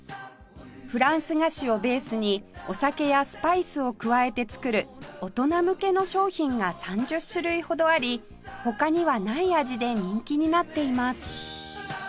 フランス菓子をベースにお酒やスパイスを加えて作る大人向けの商品が３０種類ほどあり他にはない味で人気になっています